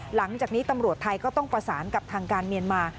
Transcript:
หลังจากนี้ตำรวจไทยก็ต้องประสานกับทางการเมียนมา